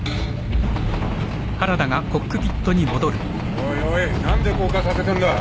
おいおい何で降下させてんだ？